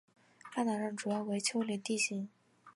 半岛上主要为丘陵地形。